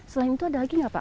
selain itu ada lagi nggak pak